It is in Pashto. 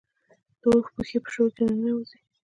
د اوښ پښې په شګو کې نه ننوځي